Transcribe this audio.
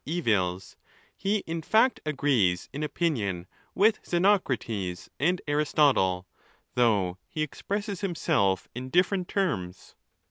evils; he in fact agrees in opinion with Xenoerates and Aristotle, though he expresses himself in different terms.